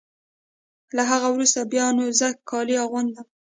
له هغه وروسته بیا نو زه کالي اغوندم.